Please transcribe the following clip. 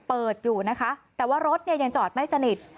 เปิดอยู่นะคะแต่ว่ารถเนี่ยยังจอดไม่สนิท